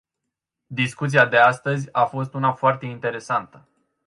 Discuția de astăzi a fost una foarte interesantă.